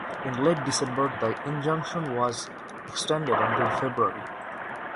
In late December the injunction was extended until February.